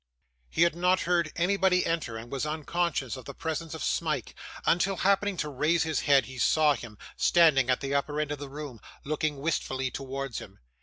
He had not heard anybody enter, and was unconscious of the presence of Smike, until, happening to raise his head, he saw him, standing at the upper end of the room, looking wistfully towards him.